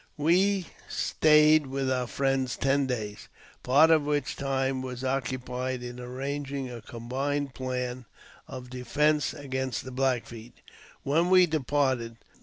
We stayed with our friends ten days, part of which time was occupied in arranging a combined plan of defence against the Black Feet. When we departed.